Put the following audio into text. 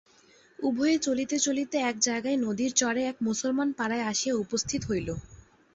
উভয়ে চলিতে চলিতে এক জায়গায় নদীর চরে এক মুসলমান-পাড়ায় আসিয়া উপস্থিত হইল।